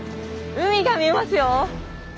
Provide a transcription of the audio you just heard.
海が見えますよ。